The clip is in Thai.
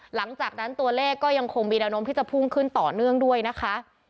หลังจากนั้นตัวเลขก็ยังคงมีแนวนมที่จะพุ่งขึ้นต่อเนื่องด้วยนะคะ